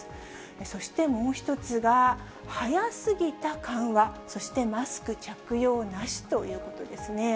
そしてもう一つが、早すぎた緩和、そして、マスク着用なしということですね。